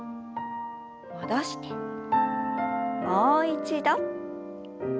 戻してもう一度。